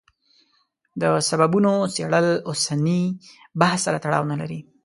د سببونو څېړل اوسني بحث سره تړاو نه لري.